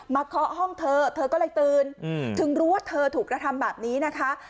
เคาะห้องเธอเธอก็เลยตื่นถึงรู้ว่าเธอถูกกระทำแบบนี้นะคะ